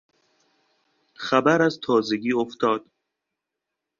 خبر از تازگی افتاده